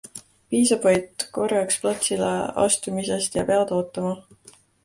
Piisab vaid korraks platsile astumisest ja pead ootama.